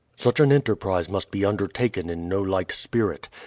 Such an enterprise must be undertaken in no light spirit.